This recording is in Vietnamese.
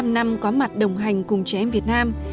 bảy mươi năm năm có mặt đồng hành cùng trẻ em việt nam